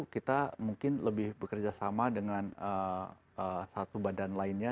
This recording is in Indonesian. kita mungkin lebih bekerja sama dengan satu badan lainnya